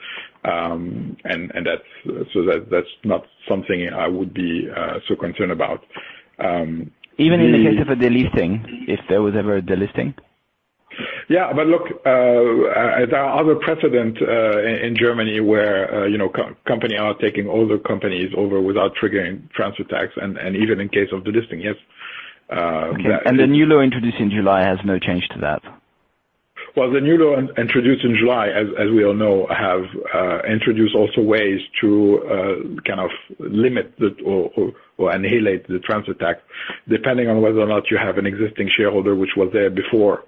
and that's not something I would be so concerned about. Even in the case of a delisting, if there was ever a delisting? Yeah, look, there are other precedents in Germany where, you know, companies are taking older companies over without triggering transfer tax and even in case of delisting, yes. That is- Okay. The new law introduced in July has no change to that? Well, the new law introduced in July, as we all know, have introduced also ways to kind of limit the or annihilate the transfer tax, depending on whether or not you have an existing shareholder, which was there before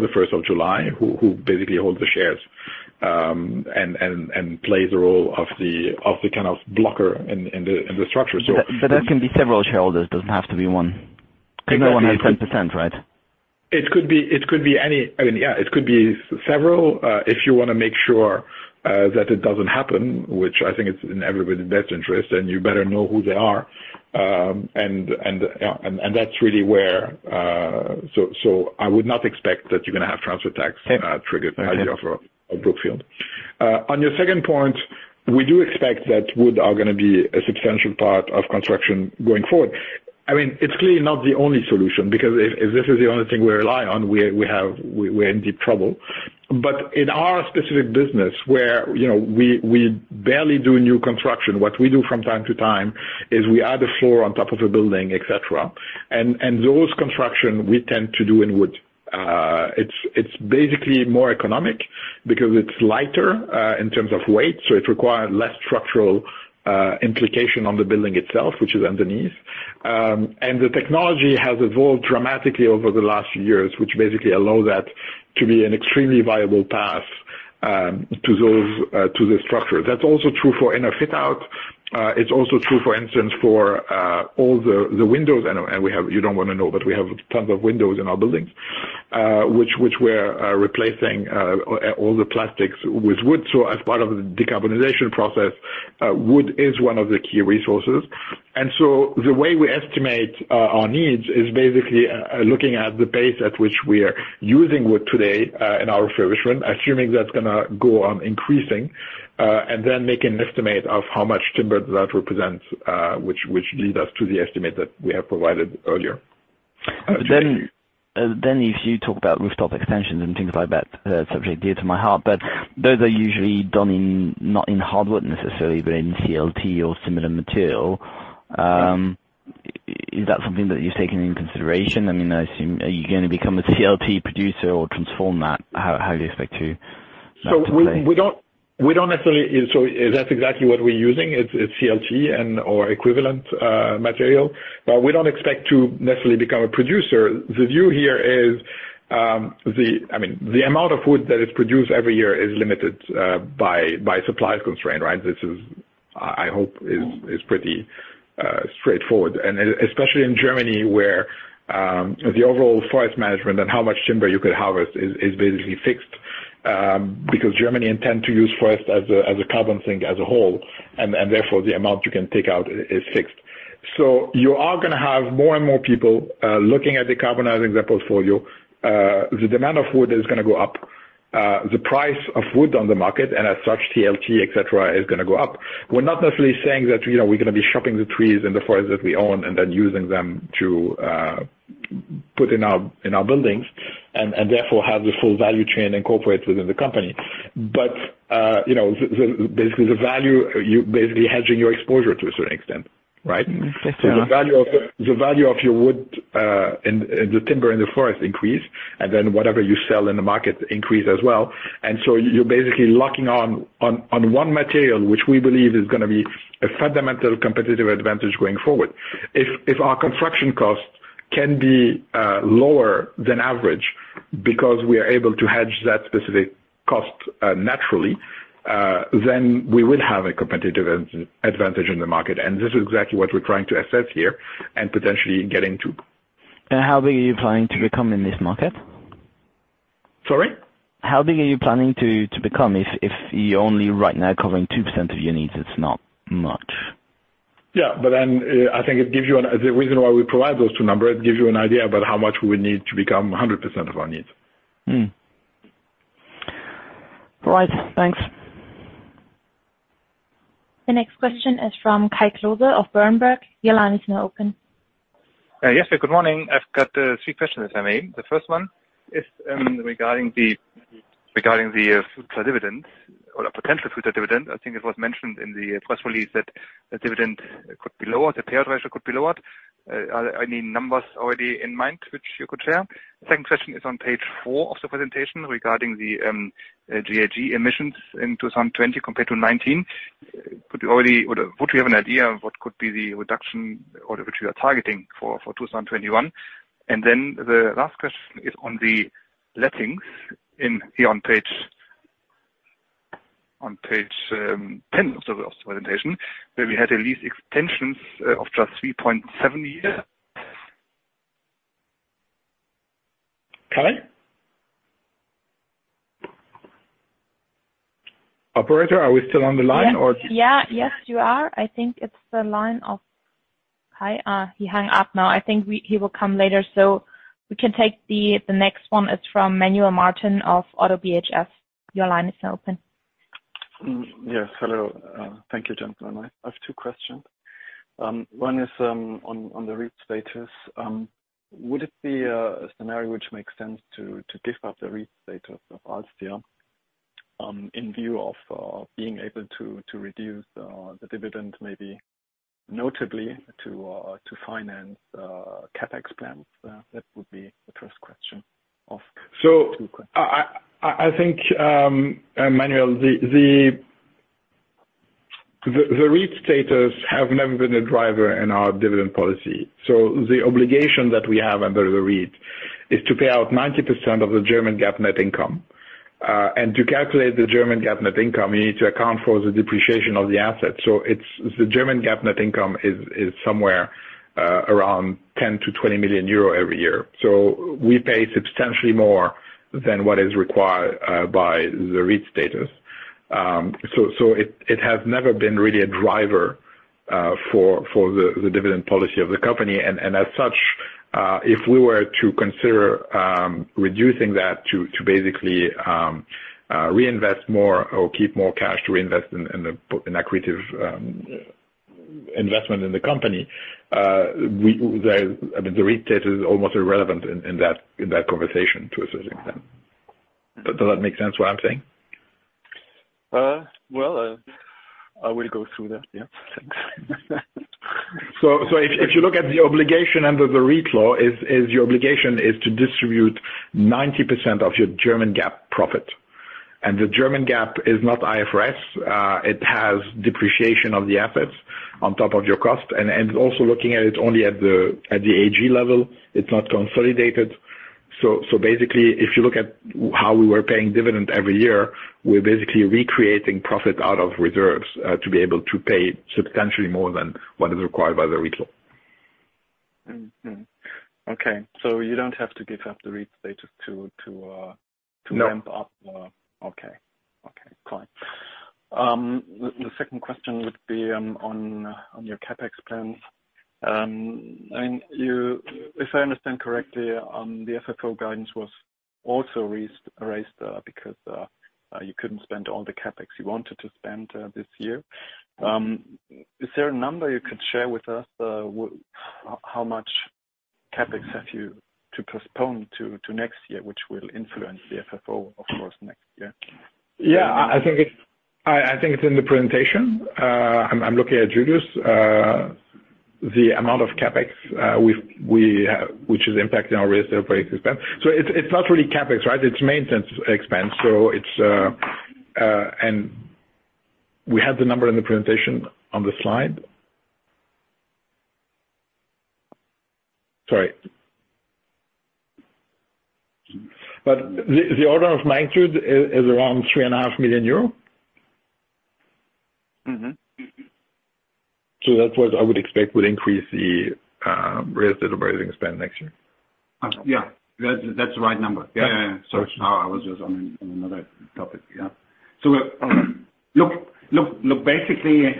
the first of July, who basically holds the shares, and plays the role of the kind of blocker in the structure. That can be several shareholders. It doesn't have to be one. It could be- Because no one has 10%, right? It could be any. I mean, yeah, it could be several. If you wanna make sure that it doesn't happen, which I think it's in everybody's best interest, then you better know who they are. Yeah, that's really where. So I would not expect that you're gonna have transfer tax. Okay. Triggered by the offer of Brookfield. On your second point, we do expect that wood are gonna be a substantial part of construction going forward. I mean, it's clearly not the only solution, because if this is the only thing we rely on, we're in deep trouble. But in our specific business, where, you know, we barely do new construction, what we do from time to time is we add a floor on top of a building, et cetera. Those construction we tend to do in wood. It's basically more economic because it's lighter in terms of weight, so it requires less structural implication on the building itself, which is underneath. The technology has evolved dramatically over the last years, which basically allow that to be an extremely viable path to the structure. That's also true for inner fit-out. It's also true, for instance, for all the windows. You don't wanna know, but we have tons of windows in our buildings, which we're replacing all the plastics with wood. As part of the decarbonization process, wood is one of the key resources. The way we estimate our needs is basically looking at the pace at which we are using wood today in our refurbishment, assuming that's gonna go on increasing, and then make an estimate of how much timber that represents, which leads us to the estimate that we have provided earlier. Then if you talk about rooftop extensions and things like that, a subject dear to my heart, but those are usually done in, not in hardwood necessarily, but in CLT or similar material. Is that something that you're taking into consideration? I mean, I assume, are you gonna become a CLT producer or transform that? How do you expect to play? We don't necessarily. That's exactly what we're using. It's CLT and/or equivalent material. But we don't expect to necessarily become a producer. The view here is, I mean, the amount of wood that is produced every year is limited by supply constraint, right? This, I hope, is pretty straightforward. Especially in Germany, where the overall forest management and how much timber you could harvest is basically fixed, because Germany intend to use forest as a carbon sink as a whole, and therefore, the amount you can take out is fixed. You are gonna have more and more people looking at decarbonizing their portfolio. The demand of wood is gonna go up. The price of wood on the market, and as such, CLT, et cetera, is gonna go up. We're not necessarily saying that, you know, we're gonna be chopping the trees in the forest that we own and then using them to put in our buildings and therefore have the full value chain incorporated within the company. But you know, basically the value, you're basically hedging your exposure to a certain extent. Right? Yes. The value of your wood and the timber in the forest increase, and then whatever you sell in the market increase as well. You're basically locking on one material, which we believe is gonna be a fundamental competitive advantage going forward. If our construction costs can be lower than average because we are able to hedge that specific cost, naturally, then we will have a competitive advantage in the market. This is exactly what we're trying to assess here and potentially get into. How big are you planning to become in this market? Sorry? How big are you planning to become if you're only right now covering 2% of your needs? It's not much. The reason why we provide those two number, it gives you an idea about how much we would need to become 100% of our needs. All right, thanks. The next question is from Kai Klose of Berenberg. Your line is now open. Yes, good morning. I've got three questions, if I may. The first one is regarding the future dividends or the potential future dividend. I think it was mentioned in the press release that the dividend could be lowered, the payout ratio could be lowered. Are there any numbers already in mind which you could share? Second question is on page four of the presentation regarding the GHG emissions in 2020 compared to 2019. Would you have an idea of what could be the reduction or which you are targeting for 2021? Then the last question is on the lettings on page 10 of the presentation, where we had a lease extensions of just 3.7 years. Kai? Operator, are we still on the line? Yes. Yeah. Yes, you are. I think it's the line of Kai. He hung up now. I think he will come later. We can take the next one is from Manuel Martin of ODDO BHF. Your line is now open. Yes, hello. Thank you, gentlemen. I have two questions. One is on the REIT status. Would it be a scenario which makes sense to give up the REIT status of alstria, in view of being able to reduce the dividend, maybe notably to finance CapEx plans? That would be the first question of two questions. I think, Manuel, the REIT status have never been a driver in our dividend policy. The obligation that we have under the REIT is to pay out 90% of the German GAAP net income. To calculate the German GAAP net income, you need to account for the depreciation of the assets. It's the German GAAP net income is somewhere around 10 million-20 million euro every year. We pay substantially more than what is required by the REIT status. It has never been really a driver for the dividend policy of the company. As such, if we were to consider reducing that to basically reinvest more or keep more cash to invest in the accretive investment in the company, I mean, the REIT status is almost irrelevant in that conversation to assessing that. Does that make sense what I'm saying? Well, I will go through that. Yeah. Thanks. If you look at the obligation under the REIT law, it is to distribute 90% of your German GAAP profit. The German GAAP is not IFRS. It has depreciation of the assets on top of your cost. Also looking at it only at the AG level, it's not consolidated. Basically, if you look at how we were paying dividend every year, we're basically recreating profit out of reserves to be able to pay substantially more than what is required by the REIT law. Okay. You don't have to give up the REIT status to No. Okay, fine. The second question would be on your CapEx plans. I mean, if I understand correctly, the FFO guidance was also raised because you couldn't spend all the CapEx you wanted to spend this year. Is there a number you could share with us, how much CapEx have you to postpone to next year, which will influence the FFO, of course, next year? Yeah. I think it's in the presentation. I'm looking at Julius. The amount of CapEx we have, which is impacting our raised operating expense. It's not really CapEx, right? It's maintenance expense. We have the number in the presentation on the slide. Sorry. The order of magnitude is around 3.5 million euro. That's what I would expect would increase the raised operating spend next year. Yeah. That's the right number. Yeah, yeah. Sorry. No, I was just on another topic. Yeah. Look, basically,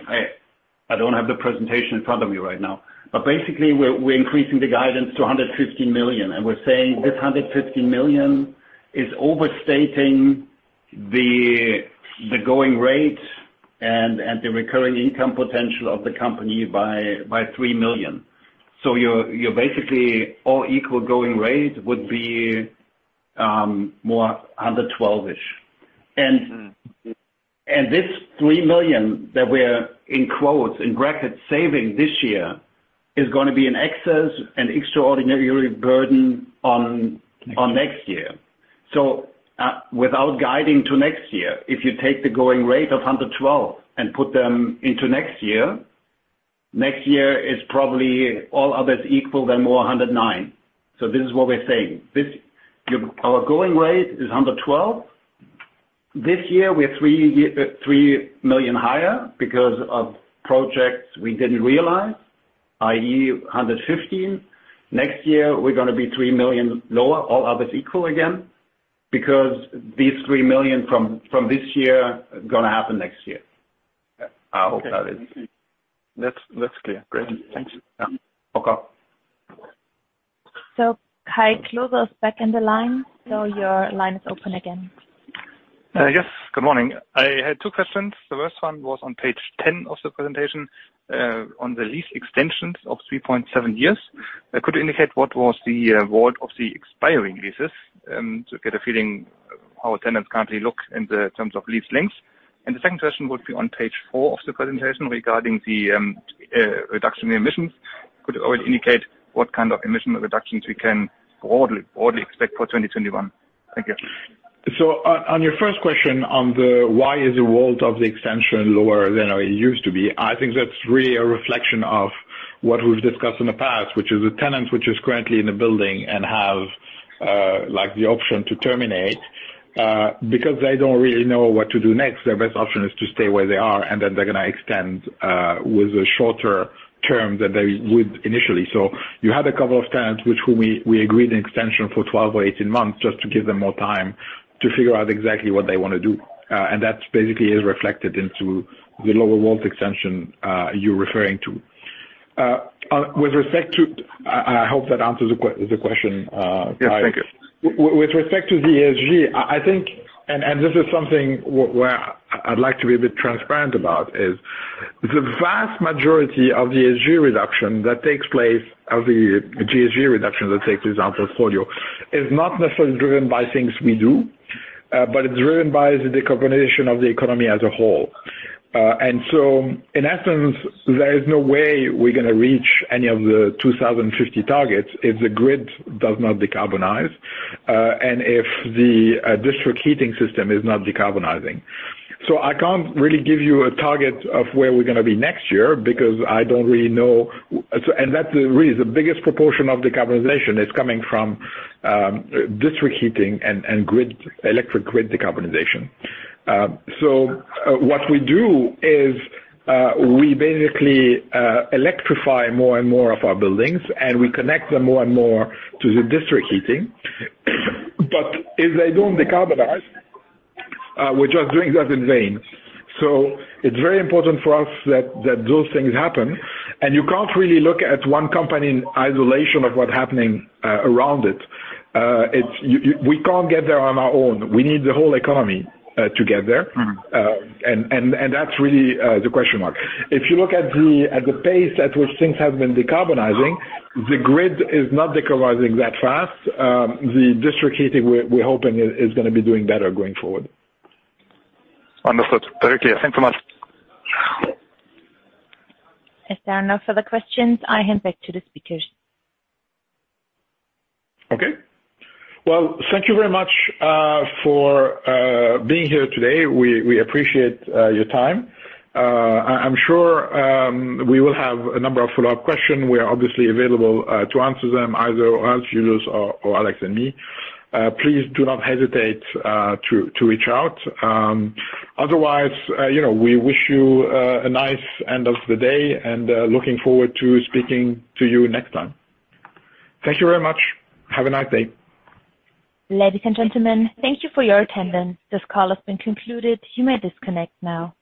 I don't have the presentation in front of me right now, but basically we're increasing the guidance to 115 million, and we're saying this 115 million is overstating the going rate and the recurring income potential of the company by 3 million. Your basically all equal going rate would be more under 12-ish. This 3 million that we're in quotes, in brackets, saving this year is gonna be an excess and extraordinary burden on next year. Without guiding to next year, if you take the going rate of 112 million and put them into next year, next year is probably all others equal than more 109 million. This is what we're saying. Our going rate is 112 million. This year we're 3 million higher because of projects we didn't realize, i.e., 115 million. Next year, we're gonna be 3 million lower, all others equal again, because these 3 million from this year gonna happen next year. I hope that is- That's clear. Great. Thanks. Yeah. Okay. Kai Klose is back in the line. Your line is open again. Yes. Good morning. I had two questions. The first one was on page 10 of the presentation, on the lease extensions of 3.7 years. Could you indicate what was the award of the expiring leases, to get a feeling how tenants currently look in the terms of lease lengths? The second question would be on page four of the presentation regarding the reduction in emissions. Could you indicate what kind of emission reductions we can broadly expect for 2021? Thank you. On your first question on the why is the WAULT of the extension lower than it used to be, I think that's really a reflection of what we've discussed in the past, which is a tenant which is currently in a building and have, like, the option to terminate. Because they don't really know what to do next, their best option is to stay where they are, and then they're gonna extend with a shorter term than they would initially. You had a couple of tenants with whom we agreed an extension for 12 or 18 months just to give them more time to figure out exactly what they wanna do. And that basically is reflected into the lower WAULT extension you're referring to. With respect to, I hope that answers the question, Kai. Yes. Thank you. With respect to the ESG, I think this is something where I'd like to be a bit transparent about. The vast majority of the ESG reduction that takes place on portfolio is not necessarily driven by things we do, but it's driven by the decarbonization of the economy as a whole. In essence, there is no way we're gonna reach any of the 2050 targets if the grid does not decarbonize and if the district heating system is not decarbonizing. I can't really give you a target of where we're gonna be next year because I don't really know. That's the reason. The biggest proportion of decarbonization is coming from district heating and grid, electric grid decarbonization. What we do is we basically electrify more and more of our buildings, and we connect them more and more to the district heating. If they don't decarbonize, we're just doing that in vain. It's very important for us that those things happen. You can't really look at one company in isolation of what's happening around it. We can't get there on our own. We need the whole economy to get there. Mm-hmm. That's really the question mark. If you look at the pace at which things have been decarbonizing, the grid is not decarbonizing that fast. The district heating we're hoping is gonna be doing better going forward. Understood. Very clear. Thanks so much. If there are no further questions, I hand back to the speakers. Okay. Well, thank you very much for being here today. We appreciate your time. I'm sure we will have a number of follow-up questions. We are obviously available to answer them, either Alf, Julius or Alex and me. Please do not hesitate to reach out. Otherwise, you know, we wish you a nice end of the day, and looking forward to speaking to you next time. Thank you very much. Have a nice day. Ladies and gentlemen, thank you for your attendance. This call has been concluded. You may disconnect now.